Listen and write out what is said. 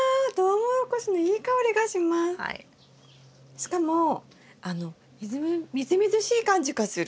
しかもあのみずみずしい感じがする。